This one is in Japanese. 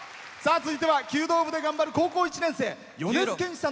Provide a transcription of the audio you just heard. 続いては弓道部で頑張る高校１年生。